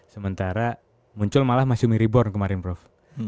sementara muncul malah masyumi reborn kemarin prof